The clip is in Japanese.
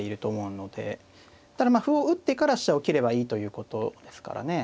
ただまあ歩を打ってから飛車を切ればいいということですからね。